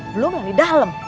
belum yang di dalam